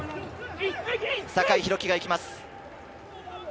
酒井宏樹が行きます。